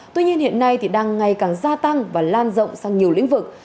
tuy nhiên hiện nay đang ngày càng gia tăng và lan rộng sang nhiều lĩnh vực